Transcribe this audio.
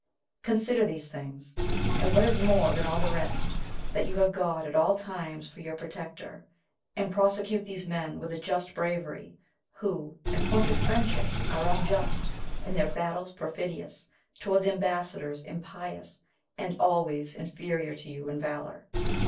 Consider these things, and, what is more than all the rest, that you have God at all times for your Protector; and prosecute these men with a just bravery, who, in point of friendship, are unjust, in their battles perfidious, towards ambassadors impious, and always inferior to you in valor."